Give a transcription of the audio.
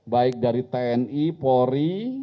baik dari tni polri